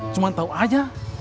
cuma tau aja